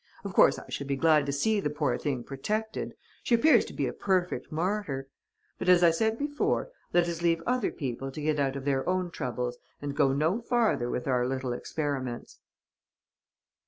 Of course, I should be glad to see the poor thing protected: she appears to be a perfect martyr. But, as I said before, let us leave other people to get out of their own troubles and go no farther with our little experiments...."